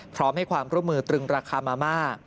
พร้อมให้ความร่วมมือตรึงราคามาม่า